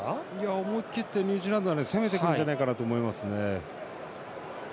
思い切ってニュージーランドは攻めてくるんじゃないかと思いますね。